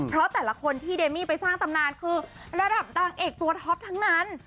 เพราะแต่ละคนที่เดมี่ไปสร้างตำนานคือระดับนางเอกตัวท็อปทั้งนั้น